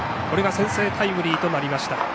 これが先制タイムリーとなりました。